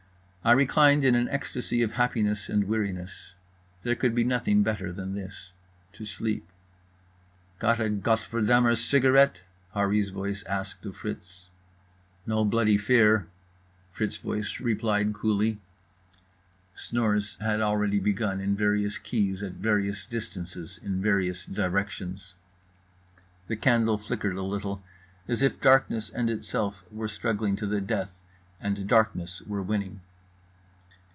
I reclined in an ecstasy of happiness and weariness. There could be nothing better than this. To sleep. "Got a gottverdummer cigarette?" Harree's voice asked of Fritz. "No bloody fear," Fritz's voice replied coolly. Snores had already begun in various keys at various distances in various directions. The candle flickered a little; as if darkness and itself were struggling to the death, and darkness were winning.